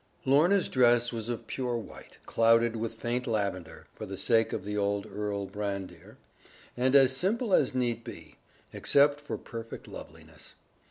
Lorna's dress was of pure white, clouded with faint lavender (for the sake of the old Earl Brandir), and as simple as need be, except for perfect loveliness.